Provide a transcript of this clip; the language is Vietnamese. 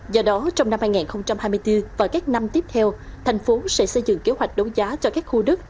do đó trong năm hai nghìn hai mươi bốn và các năm tiếp theo thành phố sẽ xây dựng kế hoạch đấu giá cho các khu đất